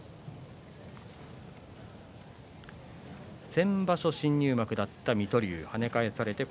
先場所新入幕だった水戸龍跳ね返されました